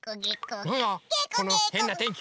なんだこのへんなてんき。